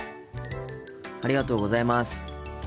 ありがとうございます。